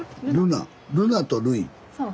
そう。